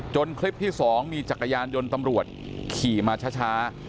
คลิปที่๒มีจักรยานยนต์ตำรวจขี่มาช้า